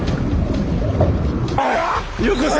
よこせ！